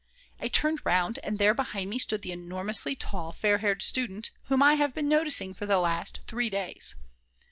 I turned round, and there behind me stood the enormously tall fair haired student, whom I have been noticing for the last three days.